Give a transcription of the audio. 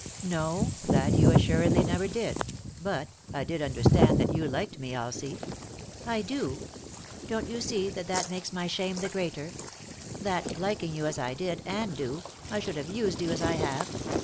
" No ; that you assuredly never did ; but — I did understand that you liked me, Elsie." " I do 1 Don't you see that that makes my shame the greater ?— that, liking you as. I did, and do, I should have used you as I have?